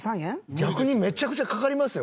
逆にめちゃくちゃかかりますよ